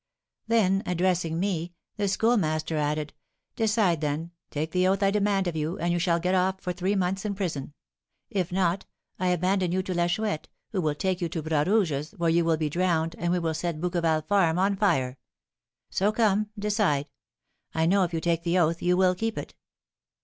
Then, addressing me, the Schoolmaster added,'Decide, then: take the oath I demand of you, and you shall get off for three months in prison; if not, I abandon you to La Chouette, who will take you to Bras Rouge's, where you will be drowned, and we will set Bouqueval farm on fire. So, come, decide. I know, if you take the oath, you will keep it.'"